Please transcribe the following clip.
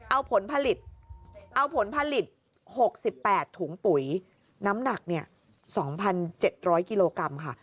เอาผลผลิตเอาผลผลิต๖๘ถุงปุ๋ยน้ำหนัก๒๗๐๐กิโลกรัมค่ะ